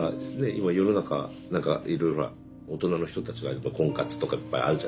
今世の中何かいろいろ大人の人たちがやっぱ婚活とかいっぱいあるじゃないですか。